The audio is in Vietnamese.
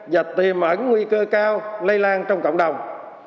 và tiềm ẩn nguy cơ cao lây lan trong cộng đồng